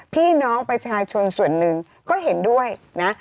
พี่น้องประชาชนส่วนหนึ่งก็เห็นด้วยนะ